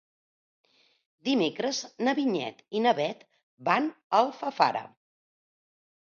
Dimecres na Vinyet i na Bet van a Alfafara.